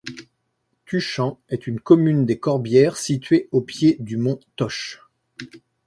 Tuchan est une commune des Corbières située au pied du Mont Tauch.